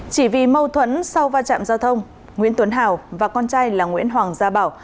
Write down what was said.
chỉ vì mâu thuẫn sau va chạm giao thông nguyễn tuấn hào và con trai là nguyễn hoàng gia bảo